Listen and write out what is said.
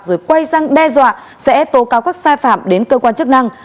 rồi quay răng đe dọa sẽ tố cáo các sai phạm đến cơ quan chức năng